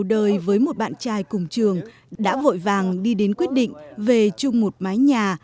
đời với một bạn trai cùng trường đã vội vàng đi đến quyết định về chung một mái nhà